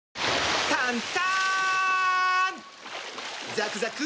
ザクザク！